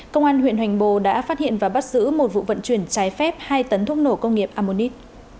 công an huyện hoành bồ đã phát hiện và bắt giữ một vụ vận chuyển trái phép hai tấn thuốc nổ công nghiệp amonit